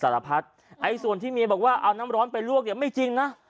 สารพัดไอ้ส่วนที่เมียบอกว่าเอาน้ำร้อนไปลวกเนี่ยไม่จริงนะ